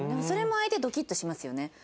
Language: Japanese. それも相手ドキッとしますよね。